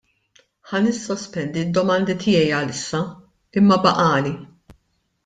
Ħa nissospendi d-domandi tiegħi għalissa, imma baqagħli.